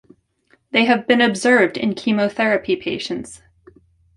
They have been observed in chemotherapy patients.